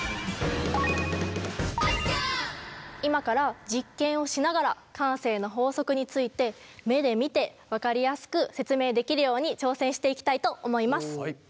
今から実験をしながら慣性の法則について目で見て分かりやすく説明できるように挑戦していきたいと思います。